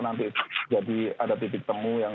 nanti jadi ada titik temu yang